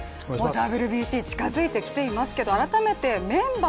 ＷＢＣ近づいてきていますけど改めてメンバー